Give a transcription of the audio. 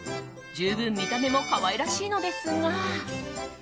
十分見た目も可愛らしいのですが